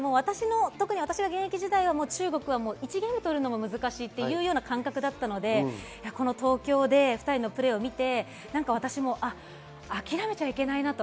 私が現役時代は中国から１ゲーム取るのも難しいという感覚だったので、東京で２人のプレーを見て私も諦めちゃいけないなと。